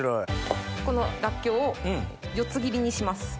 このラッキョウを四つ切りにします。